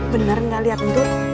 bener gak liat ntut